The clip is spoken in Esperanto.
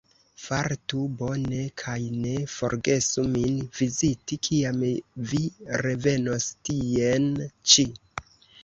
Fartu bone kaj ne forgesu min viziti, kiam vi revenos tien ĉi.